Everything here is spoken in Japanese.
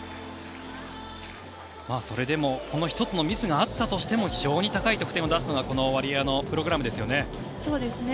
それでも、この１つのミスがあったとしても非常に高い得点を出すのがワリエワのプログラムですよね。